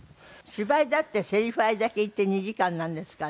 芝居だってせりふあれだけ言って２時間なんですから。